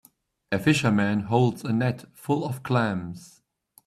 A fisherman holds a net full of clams.